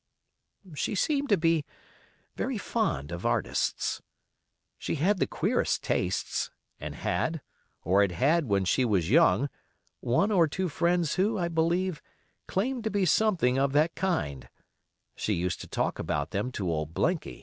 She seemed to be very fond of artists. She had the queerest tastes, and had, or had had when she was young, one or two friends who, I believe, claimed to be something of that kind; she used to talk about them to old Blinky.